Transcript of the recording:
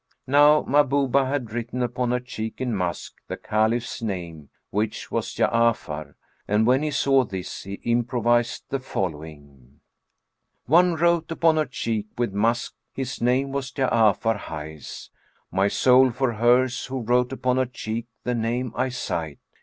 Now Mahbubah had written upon her cheek, in musk, the Caliph's name, which was Ja'afar: and when he saw this, he improvised the following, "One wrote upon her cheek with musk, his name was Ja'afar highs; * My soul for hers who wrote upon her cheek the name I sight!